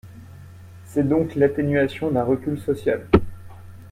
C’est donc l’atténuation d’un recul social.